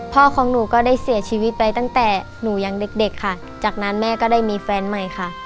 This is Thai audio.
ของหนูก็ได้เสียชีวิตไปตั้งแต่หนูยังเด็กค่ะจากนั้นแม่ก็ได้มีแฟนใหม่ค่ะ